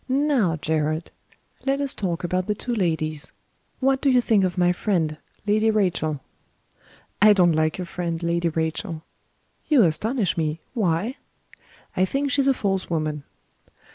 "Now, Gerard, let us talk about the two ladies. What do you think of my friend, Lady Rachel?" "I don't like your friend, Lady Rachel." "You astonish me. Why?" "I think she's a false woman."